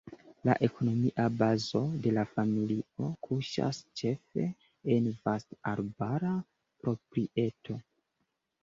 La ekonomia bazo de la familio kuŝas ĉefe en vasta arbara proprieto.